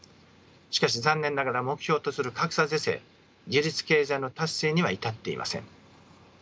しかし残念ながら目標とする格差是正自立経済の達成には至っていません。